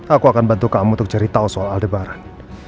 aku akan bantu kamu untuk cerita soal adebaran